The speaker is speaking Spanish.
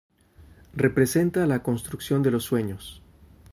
Representa la construcción de los sueños.